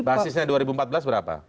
basisnya dua ribu empat belas berapa